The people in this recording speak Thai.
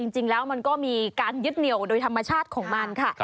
จริงแล้วมันก็มีการยึดเหนียวโดยธรรมชาติของมันค่ะ